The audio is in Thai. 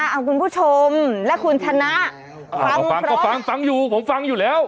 เอาคุณผู้ชมและคุณชนะฟังก็ฟังฟังอยู่ผมฟังอยู่แล้ว